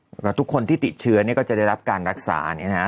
แล้วก็ทุกคนที่ติดเชื้อเนี่ยก็จะได้รับการรักษาเนี่ยนะฮะ